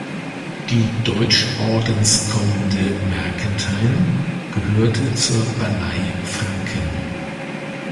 Die Deutschordenskommende Mergentheim gehörte zur Ballei Franken.